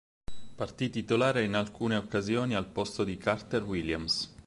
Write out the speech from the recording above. Partì titolare in alcune occasioni al posto di Carter-Williams.